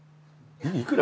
いくら？